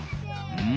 うん？